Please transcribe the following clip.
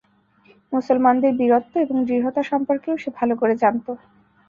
মুসলমানদের বীরত্ব এবং দৃঢ়তা সম্পর্কেও সে ভাল করে জানত।